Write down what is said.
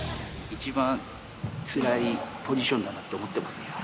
一番つらいポジションだと思ってますけど。